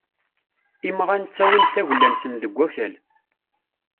Imɣan ttawin-d tagella-nsen deg wakal.